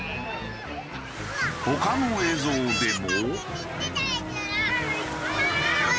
他の映像でも。